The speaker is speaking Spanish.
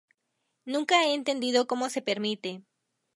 nunca he entendido cómo se permite